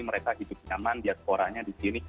mereka hidup nyaman diasporanya di sini